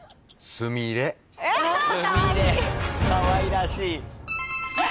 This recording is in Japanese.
「すみれ」かわいらしい。